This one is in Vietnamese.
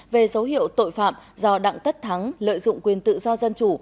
về dấu hiệu tội phạm do đặng tất thắng lợi dụng quyền tự do dân chủ